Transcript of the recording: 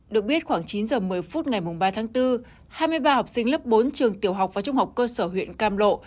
được biết khoảng chín h một mươi phút ngày ba tháng bốn hai mươi ba học sinh lớp bốn trường tiểu học và trung học cơ sở huyện cam lộ